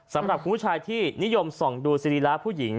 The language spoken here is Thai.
สำหรับผู้ชายที่นิยมส่องดูสรีระผู้หญิง